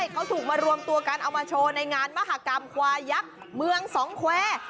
เขาถูกมารวมตัวกันเอามาโชว์ในงานมหากรรมควายยักษ์เมืองสองแควร์